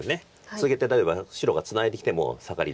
続けて例えば白がツナいできてもサガリで。